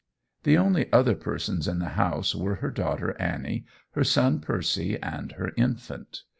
The only other persons in the house were her daughter Annie, her son Percy, and her infant.